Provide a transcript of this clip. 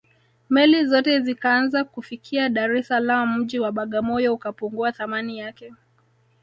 meli zote zikaanza kufikia dar es salaam mji wa bagamoyo ukapungua thamani yake